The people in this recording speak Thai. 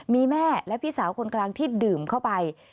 มีแม่และพี่สาวคนกลางที่ดื่มเข้าไป